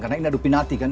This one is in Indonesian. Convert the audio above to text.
karena ini adu penalti kan